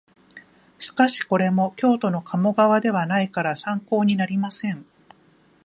しかしこれも京都の鴨川ではないから参考になりません